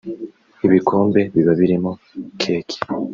ibikombe biba birimo; keke